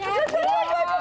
aduh ya ampun